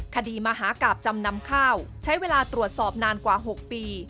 มหากราบจำนำข้าวใช้เวลาตรวจสอบนานกว่า๖ปี